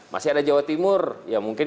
masih ada jawa timur ya mungkin